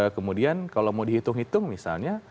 kemudian kalau mau dihitung hitung misalnya